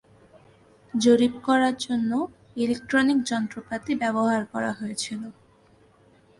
জরিপ করার জন্য ইলেক্ট্রনিক যন্ত্রপাতি ব্যবহার করা হয়েছিল।